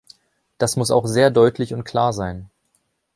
Das muss auch sehr deutlich und klar sein.